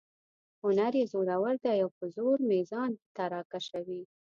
هنر یې زورور دی او په زور مې ځان ته را کشوي.